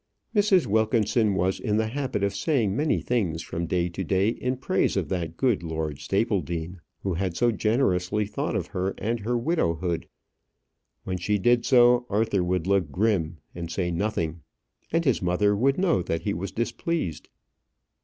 Mrs. Wilkinson was in the habit of saying many things from day to day in praise of that good Lord Stapledean, who had so generously thought of her and her widowhood. When she did so Arthur would look grim and say nothing, and his mother would know that he was displeased.